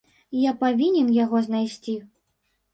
Я павінен яго знайсці.